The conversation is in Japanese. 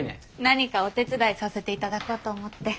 何かお手伝いさせて頂こうと思って。